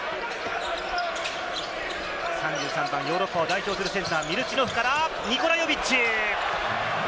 ３３番、ヨーロッパを代表するミルチノフからニコラ・ヨビッチ。